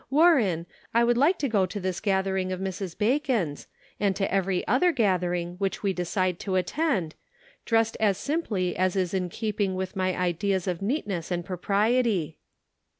Warren, I would like to go to this gathering of Mrs. Bacon's, and to every other gathering which we decide to attend, The /Social Problem. 105 dressed as simply as is in keeping with my ideas of neatness and propriety."